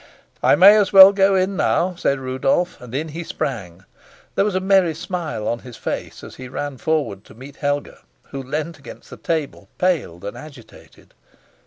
"I may as well go in now," said Rudolf, and in he sprang. There was a merry smile on his face as he ran forward to meet Helga, who leant against the table, pale and agitated.